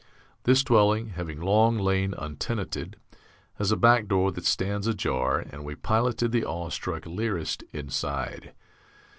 This dwelling, having long lain untenanted, has a back door that stands ajar and we piloted the awe struck lyrist inside.